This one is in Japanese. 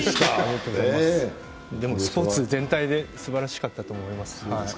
でもスポーツ全体ですばらしかったと思います。